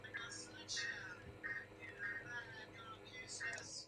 El nombre, según la opinión de algunos estudiosos, fue de origen lombardo.